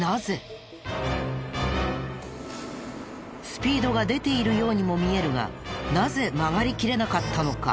スピードが出ているようにも見えるがなぜ曲がりきれなかったのか？